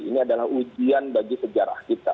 ini adalah ujian bagi sejarah kita